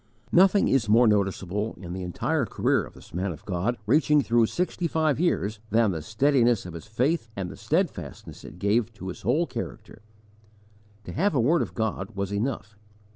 Nothing is more noticeable, in the entire career of this man of God, reaching through sixty five years, than the steadiness of his faith and the steadfastness it gave to his whole character. To have a word of God was enough.